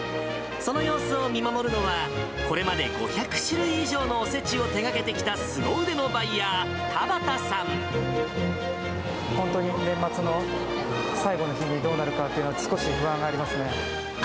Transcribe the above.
その様子を見守るのは、これまで５００種類以上のおせちを手がけてきたすご腕のバイヤー、本当に年末の最後の日にどうなるかっていうのは少し不安がありますね。